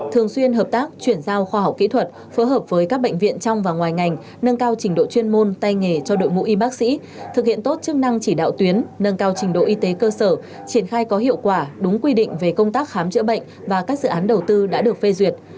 thường xuyên hợp tác chuyển giao khoa học kỹ thuật phối hợp với các bệnh viện trong và ngoài ngành nâng cao trình độ chuyên môn tay nghề cho đội ngũ y bác sĩ thực hiện tốt chức năng chỉ đạo tuyến nâng cao trình độ y tế cơ sở triển khai có hiệu quả đúng quy định về công tác khám chữa bệnh và các dự án đầu tư đã được phê duyệt